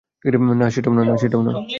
না, সেটাও না।